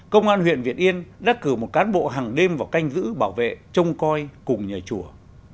công an huyện việt yên đã cử một cán bộ hàng đêm vào canh giữ bảo vệ trông coi cùng nhờ chùa